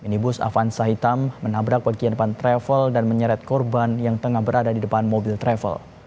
minibus avanza hitam menabrak bagian depan travel dan menyeret korban yang tengah berada di depan mobil travel